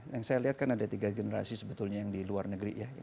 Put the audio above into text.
yang saya lihat kan ada tiga generasi sebetulnya yang di luar negeri ya